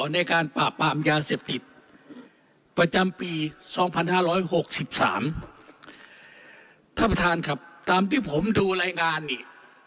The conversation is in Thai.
ในการปราบปามยาเสพติดประจำปีสองพันห้าร้อยหกสิบสามท่านประธานครับตามที่ผมดูรายงานนี่